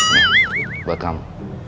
nih buat kamu